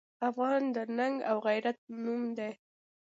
افغان د ننګ او غیرت نوم دی.